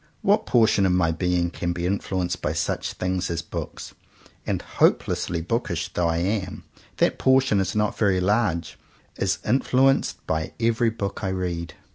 What portion of my being can be influenced by such things as books — and hopelessly bookish though I am, that portion is not very large — is influenced by every book I read.